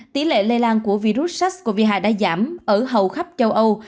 tỷ lệ lây lan của virus sars cov hai đã giảm ở hầu khắp châu âu